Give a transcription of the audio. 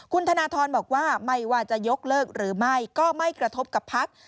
คุณธนทรบอกว่าไม่ว่าจะยกเลิกหรือไม่ก็ไม่กระทบกับพัก